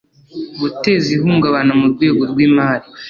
guteza ihungabana mu rwego rw imari